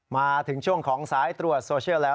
มาถึงช่วงของสายตรวจโซเชียลแล้ว